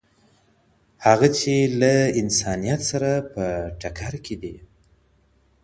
هغه چې له انسانیت سره په ټکر کې دي.